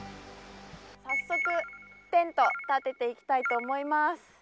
早速、テントたてていきたいと思います。